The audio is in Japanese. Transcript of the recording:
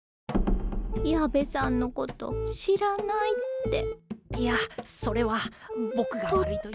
矢部さんのこと知らないっていやそれは僕が悪いというか。